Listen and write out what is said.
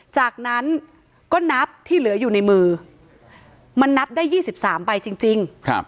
จากนั้นก็นับที่เหลืออยู่ในมือมันนับได้๒๓ใบจริง